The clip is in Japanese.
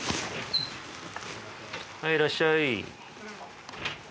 はいいらっしゃい。